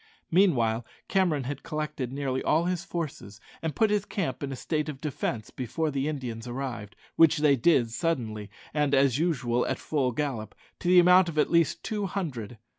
Meanwhile Cameron had collected nearly all his forces and put his camp in a state of defence before the Indians arrived, which they did suddenly, and, as usual, at full gallop, to the amount of at least two hundred.